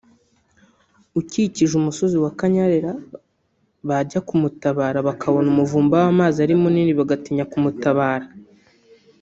ukikije umusozi wa Kanyarira bajya ku mutabara bakabona umuvumba w’amazi ari munini bagatinya kumutabara